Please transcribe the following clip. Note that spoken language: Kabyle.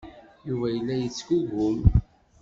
Yuba yella yettgugum.